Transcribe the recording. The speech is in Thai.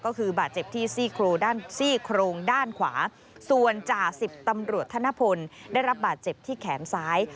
ก็คือบาดเจ็บที่ซี่โครงด้านขวาส่วนจ่า๑๐ตำรวจธนพลได้รับบาดเจ็บที่แขมซ้าย